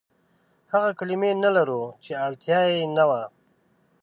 هغه کلمې نه لرو، چې اړتيا يې نه وه.